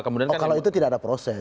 kalau itu tidak ada proses